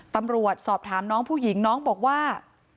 ตำรวจสอบถามน้องผู้หญิงน้องบอกว่า